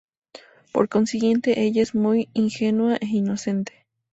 Por consiguiente, ella es muy ingenua e inocente.